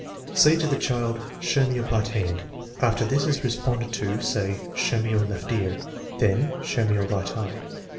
Say to the child: " Show me your right hand." After this is responded to, say: " Show me your left ear. 9 ' Then: " Show me your right eye."